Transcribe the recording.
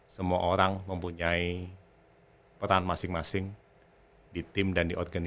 semua orang mempunyai kepentingan